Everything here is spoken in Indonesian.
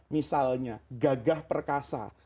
misalnya gagah perkasa